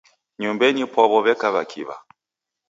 Nyumbenyi pwaw'o w'eka w'akiw'a.